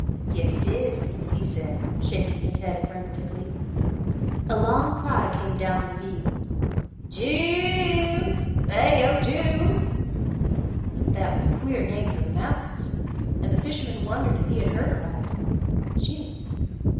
"Yes 'tis," he said, shaking his head affirmatively. A long cry came down the ravine: "J u n e! eh oh J u n e!" That was a queer name for the mountains, and the fisherman wondered if he had heard aright June.